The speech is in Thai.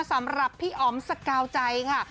สำหรับพี่อ๋อมสกาวใจค่ะ